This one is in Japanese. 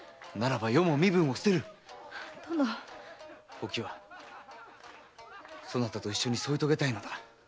お喜和そなたと一緒に添い遂げたいのだ。